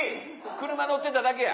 車乗ってただけや。